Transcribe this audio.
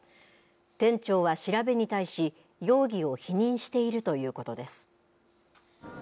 店長は調べに対し、容疑を否認しているということです。